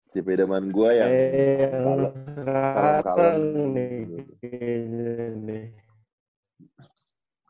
tipe idaman gue yang kalah kalah